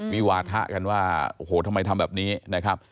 วิวาทะกันว่าโอ้โหทำไมทำแบบนี้นะครับ